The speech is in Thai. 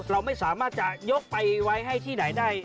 เราไม่สามารถจะยกไปไว้ให้ที่ไหนได้